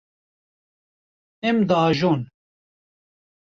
Em diajon.